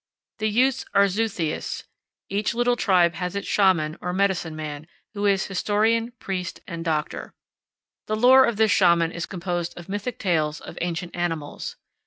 The Utes are zootheists. Each little tribe has its Shaman, or medicine man, who is historian, priest, and doctor. The lore of this Shaman is composed of mythic tales of ancient animals.